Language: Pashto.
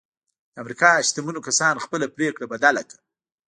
د امريکا شتمنو کسانو خپله پرېکړه بدله کړه.